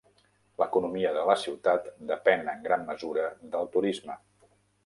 L'economia de la ciutat depèn en gran mesura del turisme.